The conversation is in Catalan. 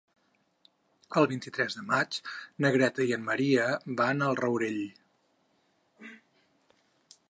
El vint-i-tres de maig na Greta i en Maria van al Rourell.